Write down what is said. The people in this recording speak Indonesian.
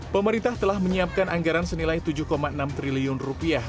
pemerintah telah menyiapkan anggaran senilai tujuh enam triliun rupiah